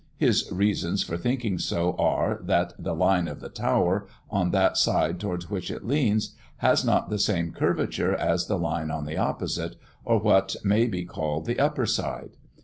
His reasons for thinking so are, that the line of the tower, on that side towards which it leans, has not the same curvature as the line on the opposite, or what may be called the upper side.